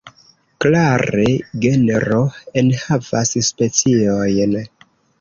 Klare, genro enhavas speciojn.